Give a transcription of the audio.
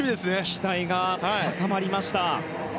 期待が高まりました。